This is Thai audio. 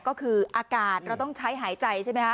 ก็คืออากาศเราต้องใช้หายใจใช่ไหมคะ